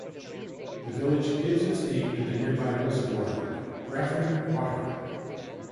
The village gives its name to the nearby reservoir, Grafham Water.